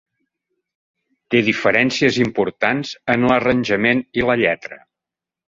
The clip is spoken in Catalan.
Té diferències importants en l'arranjament i la lletra.